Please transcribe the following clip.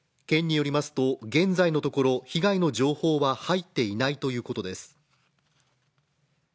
県によりますと、現在のところ被害の情報は入っていないということです。